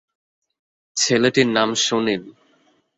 ছেলেটির নাম সুনীল।